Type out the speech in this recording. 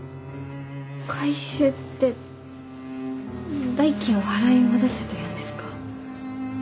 回収って代金を払い戻せというんですか？